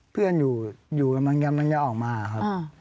เพื่อนอยู่กำลังจะออกมาครับ